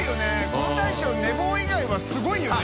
この大将寝坊以外はすごいよね。